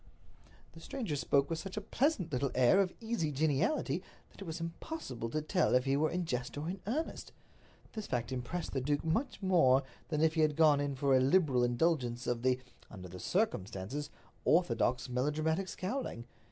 The stranger spoke with such a pleasant little air of easy geniality that it was impossible to tell if he were in jest or in earnest. This fact impressed the duke much more than if he had gone in for a liberal indulgence of the—under the circumstances—orthodox melodramatic scowling.